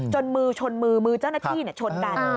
มือชนมือมือมือเจ้าหน้าที่ชนกัน